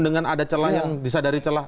dengan ada celah yang bisa dari celah